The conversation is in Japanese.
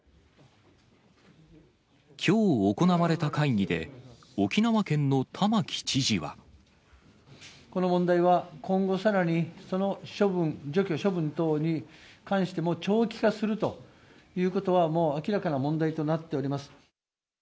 きょう行われた会議で、この問題は、今後さらにその処分、除去、処分等に関しても、長期化するということは、もう明らかな問題となっております。